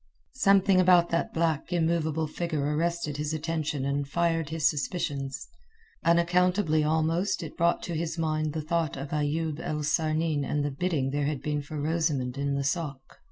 Something about that black immovable figure arrested his attention and fired his suspicions. Unaccountably almost it brought to his mind the thought of Ayoub el Sarnin and the bidding there had been for Rosamund in the sôk.